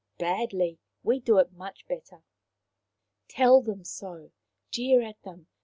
" Badly. We do it much better. 1 " Tell them so. Jeer at them.